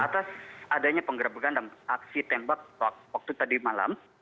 ya baik atas adanya penggerbegan dan aksi tembak waktu tadi malam